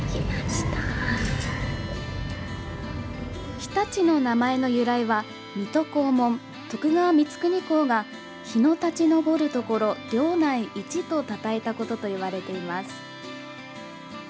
日立の名前の由来は水戸黄門＝徳川光圀公が日の立ち昇るところ、領内一とたたえたことといわれています。